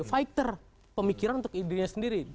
fighter pemikiran untuk dirinya sendiri